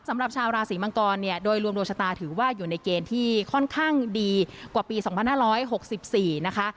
สำหรับชาวราศีมังกรเนี่ยโดยรวมดวงชะตาถือว่าอยู่ในเกณฑ์ที่ค่อนข้างดีกว่าปี๒๕๖๔นะคะ